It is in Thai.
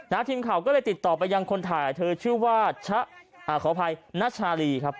ทีมข่าวก็เลยติดต่อไปยังคนถ่ายเธอชื่อว่าชะอ่าขออภัยนัชชาลีครับ